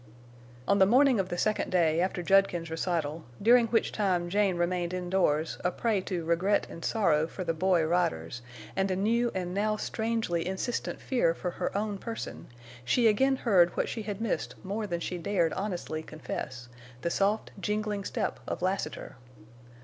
On the morning of the second day after Judkins's recital, during which time Jane remained indoors a prey to regret and sorrow for the boy riders, and a new and now strangely insistent fear for her own person, she again heard what she had missed more than she dared honestly confess—the soft, jingling step of Lassiter.